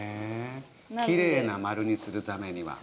きれいな丸にするためには。